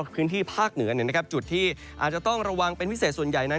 พื้นที่ภาคเหนือจุดที่อาจจะต้องระวังเป็นพิเศษส่วนใหญ่นั้น